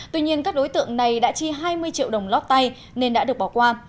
tuy nhiên các đối tượng này đã chi hai mươi triệu đồng lót tay nên đã được bỏ qua